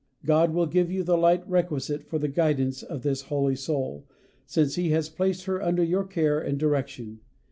God will give you the light requisite for the guidance of this holy soul, since He has placed her under your care and direction.